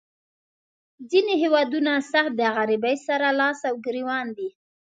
ځینې هیوادونه سخت د غریبۍ سره لاس او ګریوان دي.